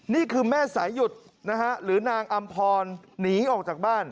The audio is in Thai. นี่คือแม่สายหยุดนะฮะหรือนางอำพรหนีออกจากบ้าน